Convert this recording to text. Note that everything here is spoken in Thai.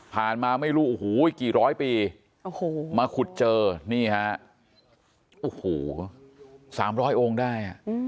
ผ่านมาไม่รู้อุ้ยกี่ร้อยปีมาคุดเจอนี่ฮะอุ้ยสามร้อยองค์ได้